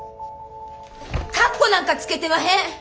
かっこなんかつけてまへん！